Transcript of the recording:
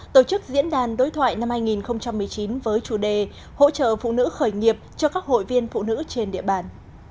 tổ chức diễn đàn đối thoại năm hai nghìn một mươi chín với chủ đề hỗ trợ phụ nữ khởi nghiệp cho các hội viên phụ nữ trên địa bàn